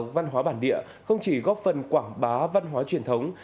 văn hóa bản địa không chỉ góp phần quảng bá văn hóa truyền thống